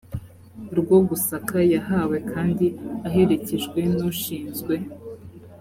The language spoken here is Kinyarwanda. rwo gusaka yahawe kandi aherekejwe n ushinzwe